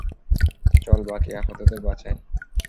চল বাকি আহতদের বাঁচাই।